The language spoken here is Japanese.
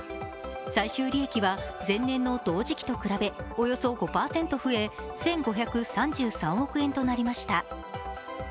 最終利益は前年の同時期と比べおよそ５％増え１５３３億円となりました。